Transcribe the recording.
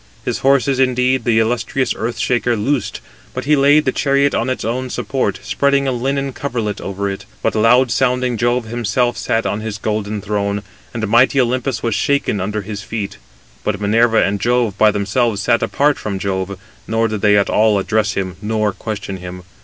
His horses, indeed, the illustrious Earth shaker loosed, but he laid the chariot on its support, spreading a linen coverlet [over it]. But loud sounding Jove himself sat on his golden throne, and mighty Olympus was shaken under his feet. But Minerva and Juno by themselves sat apart from Jove, nor did they at all address him, nor question him.